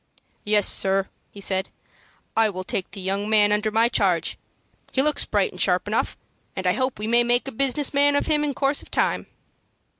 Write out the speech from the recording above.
"Yes, sir," he said, "I will take the young man under my charge; he looks bright and sharp enough, and I hope we may make a business man of him in course of time."